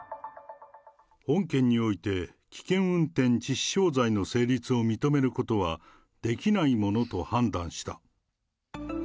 本件において、危険運転致死傷罪の成立を認めることはできないものと判断した。